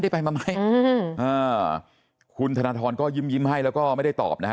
ไปมาไหมคุณธนทรก็ยิ้มยิ้มให้แล้วก็ไม่ได้ตอบนะฮะ